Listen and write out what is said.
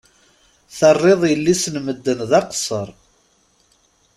Terriḍ yelli-s n medden d aqessar.